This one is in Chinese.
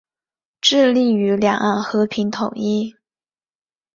致力于两岸和平统一。